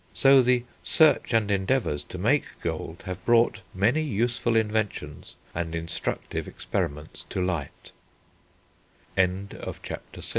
So the search and endeavours to make gold have brought many useful inventions and instructive experiments to light." CHAPTER VII.